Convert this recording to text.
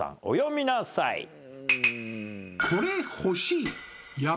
お詠みなさい。